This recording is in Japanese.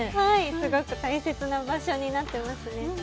すごく大切な場所になってますね。